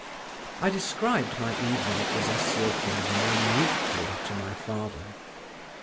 I described my evening at the Zasyekins' minutely to my father.